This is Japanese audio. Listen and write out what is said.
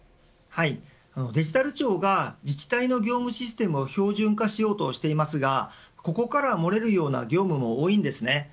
デジタル庁が自治体の業務システムを標準化しようとしていますがここからもれるような業務も多いんです。